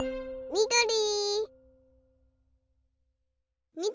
みどり！